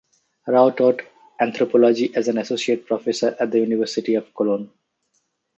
Rao taught anthropology as an associate professor at the University of Cologne.